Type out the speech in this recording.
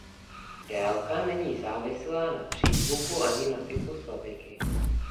Délka není závislá na přízvuku ani typu slabiky.